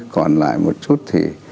còn lại một chút thì